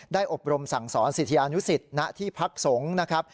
ได้อบรมสั่งสอนศิรษฐรณยุสิตณที่พักทรง